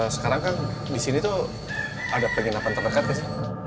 sekarang kang di sini tuh ada penginapan terdekat kan